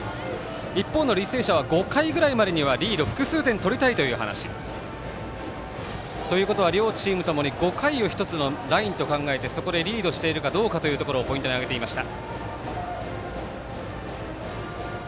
一方の履正社は５回ぐらいまでにはリード複数点取りたいという話。ということは両チームともに５回を１つのラインと考えてそこでリードしているかどうかというところをポイントに挙げていました。